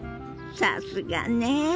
さすがね！